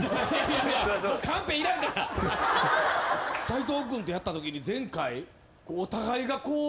斉藤君とやったときに前回お互いがこう。